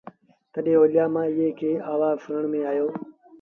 تڏهيݩ اوليآ مآݩ ايٚئي کي آوآز سُڻڻ ميݩ آيو